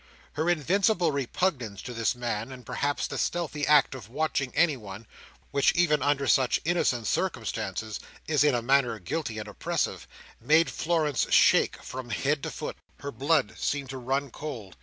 Her invincible repugnance to this man, and perhaps the stealthy act of watching anyone, which, even under such innocent circumstances, is in a manner guilty and oppressive, made Florence shake from head to foot. Her blood seemed to run cold.